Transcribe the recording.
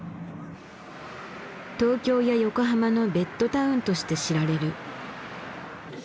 東京や横浜のベッドタウンとして知られる。